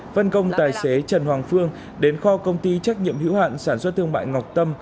phân công tài xế trần hoàng phương đến kho công ty trách nhiệm hữu hạn sản xuất thương mại ngọc tâm